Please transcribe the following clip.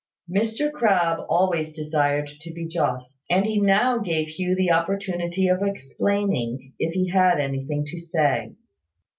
Mr Crabbe always desired to be just: and he now gave Hugh the opportunity of explaining, if he had anything to say.